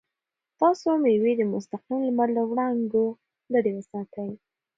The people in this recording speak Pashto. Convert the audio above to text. تاسو مېوې د مستقیم لمر له وړانګو لرې وساتئ.